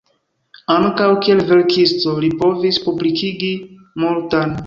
Ankaŭ kiel verkisto li povis publikigi multan.